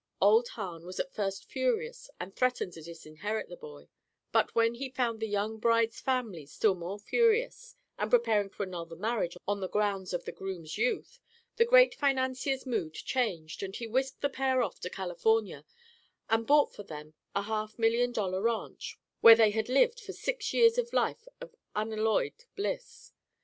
Old Hahn was at first furious and threatened to disinherit the boy, but when he found the young bride's family still more furious and preparing to annul the marriage on the grounds of the groom's youth, the great financier's mood changed and he whisked the pair off to California and bought for them a half million dollar ranch, where they had lived for six years a life of unalloyed bliss.